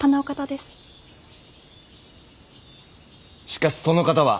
しかしその方は。